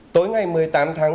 tối ngày một mươi tám tháng một